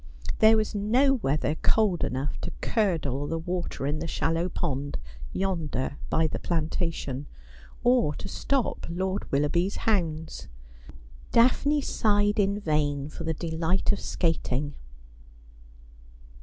There was no weather cold enough to curdle the water in the shallow pond yonder by the plantation, or to stop Lord Willoughby's hounds. Daphne sighed in vain for the delight of skating.